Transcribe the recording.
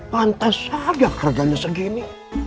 pantes aja harganya segini